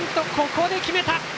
ここで決めた！